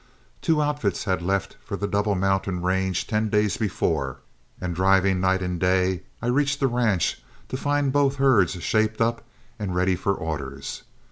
Two outfits had left for the Double Mountain range ten days before, and driving night and day, I reached the ranch to find both herds shaped up and ready for orders.